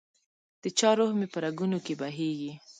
دچا روح مي په رګونو کي بهیږي